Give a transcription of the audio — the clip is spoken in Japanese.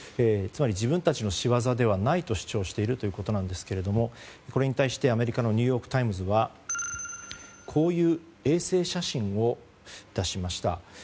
つまり自分たちの仕業ではないと主張しているということですがこれに対してアメリカのニューヨーク・タイムズはこういう衛星写真を出しました。